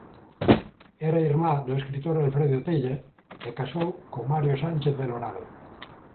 Era irmá do escritor Alfredo Tella e casou con Mario Sánchez Belorado.